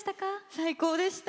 最高でした。